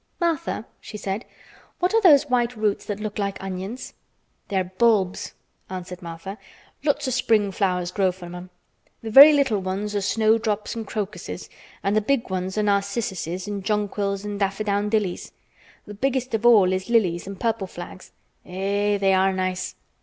"Martha," she said, "what are those white roots that look like onions?" "They're bulbs," answered Martha. "Lots o' spring flowers grow from 'em. Th' very little ones are snowdrops an' crocuses an' th' big ones are narcissuses an' jonquils and daffydowndillys. Th' biggest of all is lilies an' purple flags. Eh! they are nice.